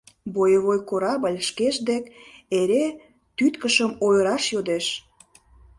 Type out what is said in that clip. Боевой корабль шкеж дек эре тӱткышым ойыраш йодеш.